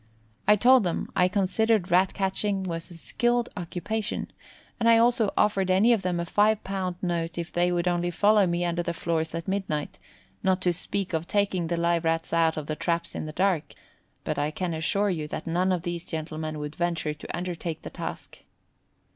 I told them I considered Rat catching was a skilled occupation, and I also offered any of them a five pound note if they would only follow me under the floors at midnight, not to speak of taking the live Rats out of the traps in the dark; but I can assure you that none of these gentlemen would venture to undertake the task.